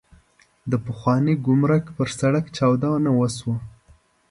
د پخواني ګمرک پر سړک چاودنه وشوه.